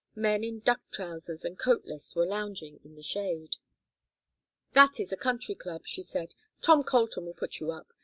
Men in duck trousers, and coatless, were lounging in the shade. "That is a country club," she said. "Tom Colton will put you up.